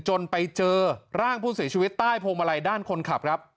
จนไปเจอร่างผู้เสียชีวิตใต้พวงมาลัยด้านคนขับครับ